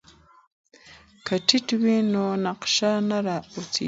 که ټیپ وي نو نقشه نه راویځیږي.